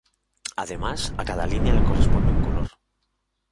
Además, a cada línea le corresponde un color.